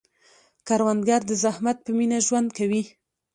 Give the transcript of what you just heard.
کروندګر د زحمت په مینه ژوند کوي